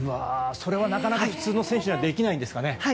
なかなか普通の選手にはできないんですかね？